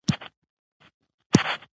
حصي خرڅي کړي ورور ورته وایي